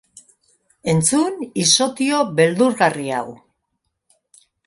Entzun isotio beldurgarri hau!